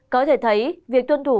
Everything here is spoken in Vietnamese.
có thể thấy việc tuân thủ